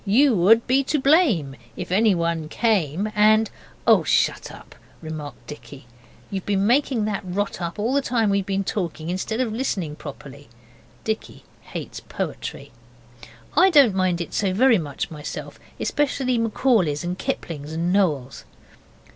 You would be to blame If anyone came And ' 'Oh, shut up!' remarked Dicky. 'You've been making that rot up all the time we've been talking instead of listening properly.' Dicky hates poetry. I don't mind it so very much myself, especially Macaulay's and Kipling's and Noel's.